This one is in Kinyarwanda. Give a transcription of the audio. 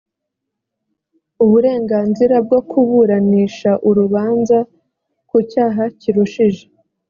uburenganzira bwo kuburanisha urubanza ku cyaha kirushije